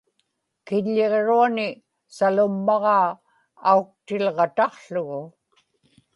kiḷḷiġruani salummaġaa auktilġataqługu